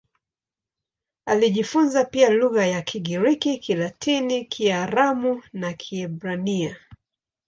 Alijifunza pia lugha za Kigiriki, Kilatini, Kiaramu na Kiebrania.